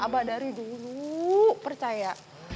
abah dari dulu percaya